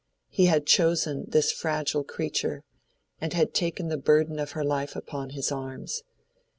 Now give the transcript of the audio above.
He had chosen this fragile creature, and had taken the burthen of her life upon his arms.